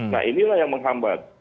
nah inilah yang menghambat